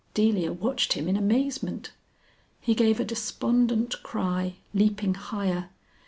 Delia watched him in amazement. He gave a despondent cry, leaping higher.